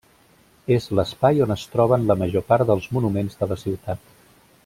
És l'espai on es troben la major part dels monuments de la ciutat.